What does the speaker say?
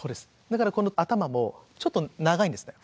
だからこの頭もちょっと長いんですね